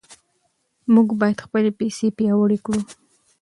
موږ باید خپلې پیسې پیاوړې کړو.